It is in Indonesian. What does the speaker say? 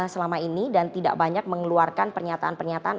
selama ini dan tidak banyak mengeluarkan pernyataan pernyataan